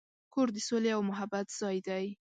کور د سولې او محبت ځای دی.